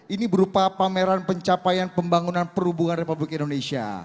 ini berupa pameran pencapaian pembangunan perhubungan republik indonesia